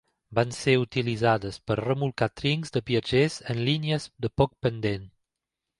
Van ser utilitzades per remolcar trens de viatgers en línies de poc pendent.